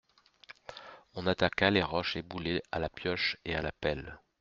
On attaqua les roches éboulées à la pioche et à la pelle.